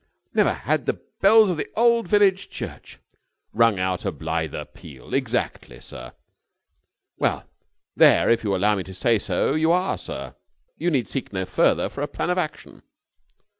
Never had the bells of the old village church...." "Rung out a blither peal. Exactly, sir. Well, there, if you will allow me to say so, you are, sir! You need seek no further for a plan of action."